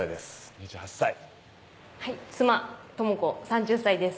２８歳妻・智子３０歳です